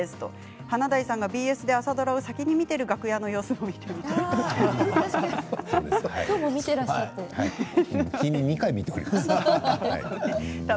華大さんがＢＳで朝ドラを先に見ている楽屋の様子も見てみたいです。